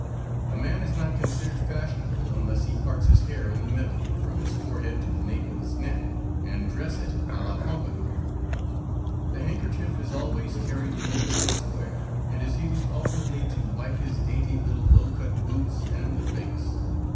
A man is not considered fashionable unless he parts his hair in the middle, from his forehead to the nape of his neck, and dress it a la pompadour. The handkerchief is always carried folded in a square, and is used alternately to wipe his dainty little low cut boots and the face.